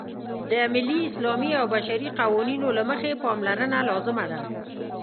د ملي، اسلامي او بشري قوانینو له مخې پاملرنه لازمه ده.